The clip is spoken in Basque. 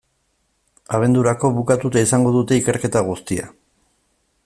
Abendurako bukatua izango dute ikerketa guztia.